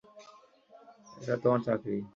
এটা তোমার চাকরি।